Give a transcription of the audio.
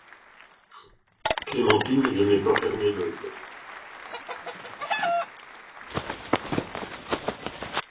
Clémentine, je n'ai pas fermé l'oeil.